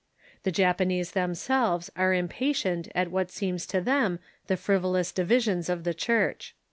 The Japanese themselves are impatient at what seems to them the frivolous divisions of the Church.